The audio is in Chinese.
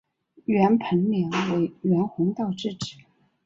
袁彭年为袁宏道之子。